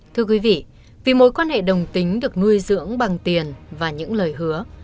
thưa quý vị vì mối quan hệ đồng tính được nuôi dưỡng bằng tiền và những lời hứa